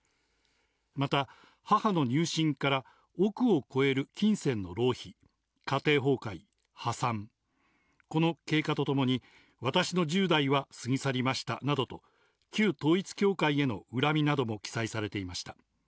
また、母の入信から億を超える金銭の浪費、家庭崩壊、破産、この経過とともに私の１０代は過ぎ去りましたなどと、旧統一教会への恨みなども記載されていました。